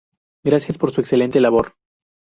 Gracias por su excelente labor.